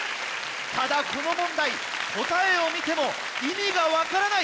ただこの問題答えを見ても意味が分からない！